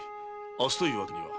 明日というわけには。